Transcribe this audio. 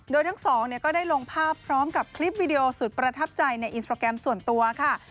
โดยทั้งสองก็ได้ลงภาพพร้อมกับคลิปวิดีโอสุดประทับใจในอินสตราแกรมส่วนตัวค่ะ